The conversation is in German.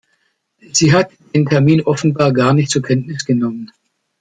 Sie hat den Termin offenbar gar nicht zur Kenntnis genommen.